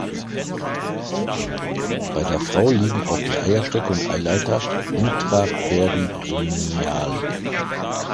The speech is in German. Bei der Frau liegen auch die Eierstöcke und Eileiter intraperitoneal.